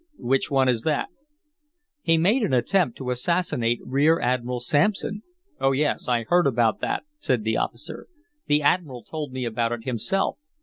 "Which one is that?" "He made an attempt to assassinate Rear Admiral Sampson." "Oh, yes, I heard about that," said the officer. "The admiral told me about it himself.